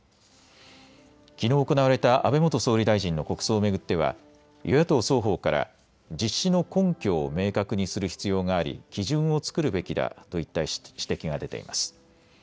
きのう行われた安倍元総理大臣の国葬を巡っては与野党双方から実施の根拠を明確にする必要があり基準を作るべきだといった指摘が出ています。